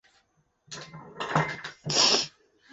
诸冢村是位于日本宫崎县北部的一个村。